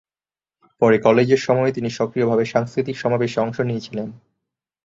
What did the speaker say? পরে কলেজের সময়ে তিনি সক্রিয়ভাবে সাংস্কৃতিক সমাবেশে অংশ নিয়েছিলেন।